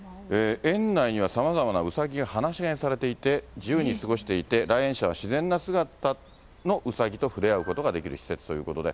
園内にはさまざまなウサギが放し飼いにされていて、自由に過ごしていて、来園者は自然な姿のウサギと触れ合うことができる施設ということで。